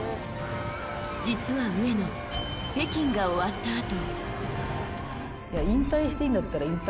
実は上野北京が終わったあと。